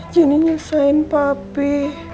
janin nyesain papi